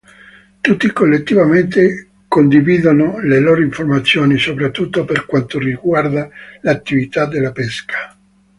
Tutti collettivamente condividono le loro informazioni, soprattutto per quanto riguarda l'attività della pesca.